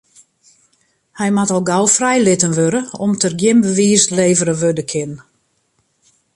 Hy moat al gau frijlitten wurde om't der gjin bewiis levere wurde kin.